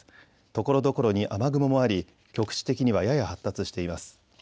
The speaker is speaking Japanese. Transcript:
ところどころに雨雲もあり局地的にはやや発達しています。